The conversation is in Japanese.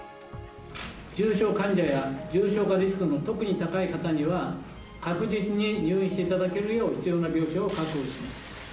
重症患者や、重症化リスクの特に高い方には、確実に入院していただけるよう、必要な病床を確保します。